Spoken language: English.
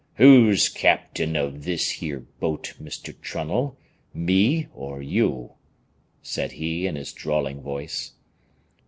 "Who's captain of this here boat, Mr. Trunnell, me or you?" said he, in his drawling voice.